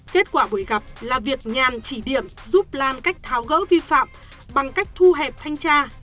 kết quả buổi gặp là việc nhàn chỉ điểm giúp lan cách tháo gỡ vi phạm bằng cách thu hẹp thanh tra